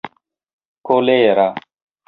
kolera